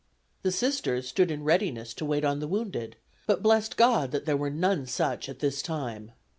The Sisters stood in readiness to wait on the wounded, but blessed God that there were none such this time.